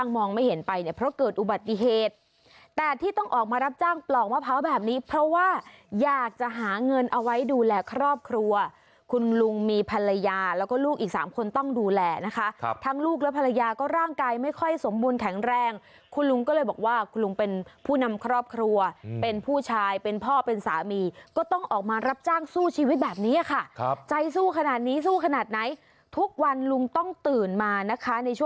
ไม่ว่าคุณจะครบ๓๒ประการหรือเปล่าแต่ถ้าหากว่าเรายังมีใจสู้เนี่ย